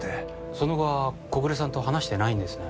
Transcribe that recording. その後は小暮さんと話してないんですね？